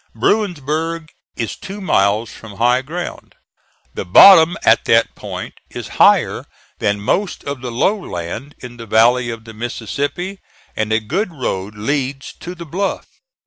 Bruinsburg is two miles from high ground. The bottom at that point is higher than most of the low land in the valley of the Mississippi, and a good road leads to the bluff.